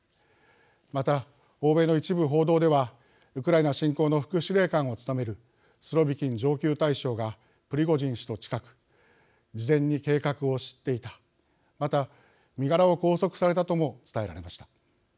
また、欧米の一部報道ではウクライナ侵攻の副司令官を務めるスロビキン上級大将がプリゴジン氏と近く事前に計画を知っていたまた、身柄を拘束されたとも伝えられました。